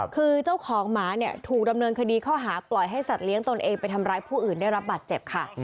คือเจ้าของหมาเนี่ยถูกดำเนินคดีข้อหาปล่อยให้สัตว์เลี้ยงตนเองไปทำร้ายผู้อื่นได้รับบาดเจ็บค่ะ